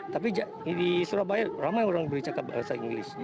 tapi di surabaya ramai orang yang bisa cakap bahasa inggris